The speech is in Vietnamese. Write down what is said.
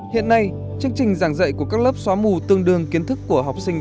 hiện nay chương trình giảng dạy của các lớp xóa mù tương đương kiến thức của học sinh